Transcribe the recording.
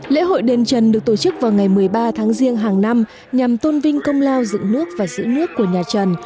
lễ hội đền trần được tổ chức vào ngày một mươi ba tháng riêng hàng năm nhằm tôn vinh công lao dựng nước và giữ nước của nhà trần